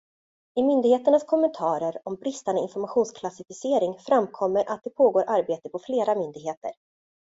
I myndigheternas kommentarer om bristande informationsklassificering framkommer att det pågår arbete på flera myndigheter.